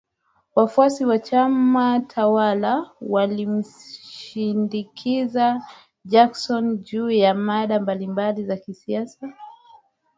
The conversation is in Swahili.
Wafuasi wa chama tawala walimshinikiza Jackson juu ya mada mbalimbali za kisiasa.